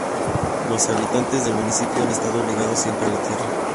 Los habitantes del municipio han estado ligados siempre a la tierra.